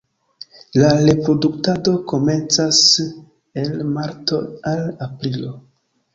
La reproduktado komencas el marto al aprilo.